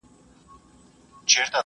له ځان سره مهربانه اوسېدل عجز نه دی.